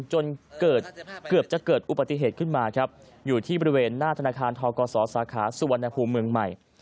จนเกือบจะเกิดอุบัติเหตุขึ้นมาครับอยู่ที่บริเวณหน้าธนาคารทกศสาขาสุวรรณภูมิเมืองใหม่